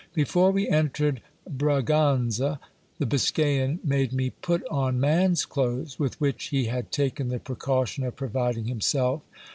Before we entered Braganza, the Biscayan made me put on man's clothes, with which he had taken the precaution of providing himself.